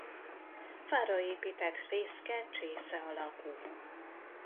Fára épített fészke csésze alakú.